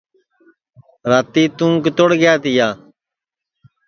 راتی توں کِتوڑ گیا تِیا